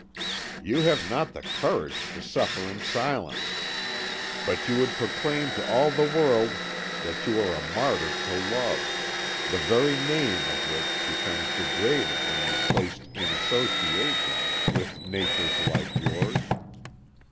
You have not the courage to suffer in silence, but you would proclaim to all the world that you are a martyr to love, the very name of which becomes degraded when placed in association with natures like yours.